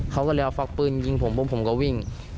เขาก็เลยเอาฟักปืนยิงผมปุ๊บผมก็วิ่ง